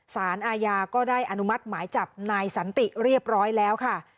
สารอาญาก็ได้อนุมัติหมายจับนายสันติเรียบร้อยแล้วค่ะ